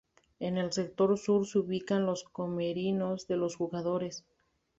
En el sector sur se ubican los camerinos de los jugadores.